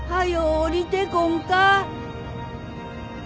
下りてこんか。